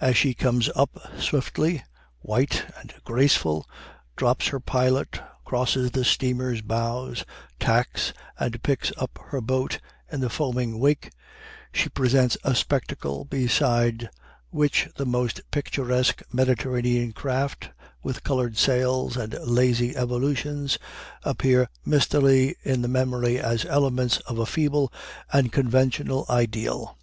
As she comes up swiftly, white and graceful, drops her pilot, crosses the steamer's bows, tacks, and picks up her boat in the foaming wake, she presents a spectacle beside which the most picturesque Mediterranean craft, with colored sails and lazy evolutions, appear mistily in the memory as elements of a feeble and conventional ideal.